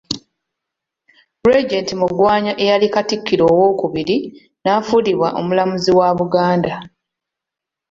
Regent Mugwanya eyali Katikkiro ow'okubiri, n'afuulibwa Omulamuzi wa Buganda.